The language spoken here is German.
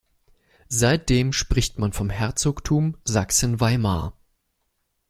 Seitdem spricht man vom Herzogtum Sachsen-Weimar.